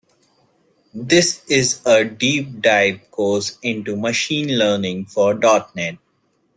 This is a deep dive course into Machine Learning for Dot Net.